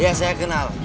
iya saya kenal